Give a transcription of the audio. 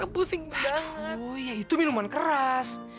oh iya itu minuman keras